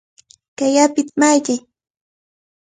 ¡Kay apita malliy!